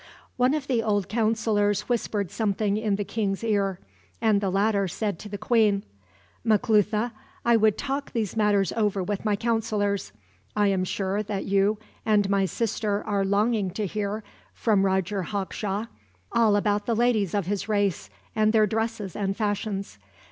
One of the old counselors whispered something in the king's ear, and the latter said to the queen: "Maclutha, I would talk these matters over with my counselors. I am sure that you and my sister are longing to hear, from Roger Hawkshaw, all about the ladies of his race, and their dresses and fashions.